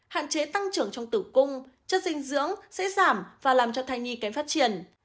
hạn chế tăng trưởng trong tử cung chất dinh dưỡng sẽ giảm và làm cho thai nhi kém phát triển